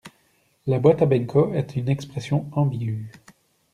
La boîte à Benco est une expression ambigue.